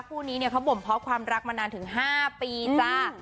คู่นี้เนี่ยเขาบ่มเพาะความรักมานานถึง๕ปีจ้า